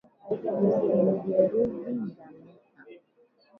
Usimjeruhi ngamia